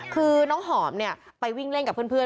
คือน้องหอมเนี่ยไปวิ่งเล่นกับเพื่อน